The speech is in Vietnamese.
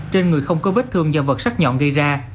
trên người không có vết thương do vật sắt nhọn gây ra